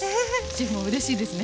シェフもうれしいですね。